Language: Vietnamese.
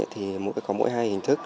thì có mỗi hai hình thức